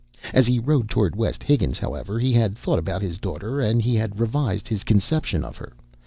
As he rode toward West Higgins, however, he had thought about his daughter and he had revised his conception of her.